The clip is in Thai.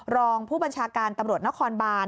รองผู้บัญชาการตำรวจนครบาน